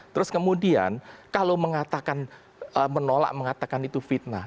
terus kemudian kalau menolak mengatakan itu fitnah